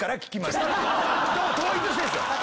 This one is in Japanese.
統一してるんすよ。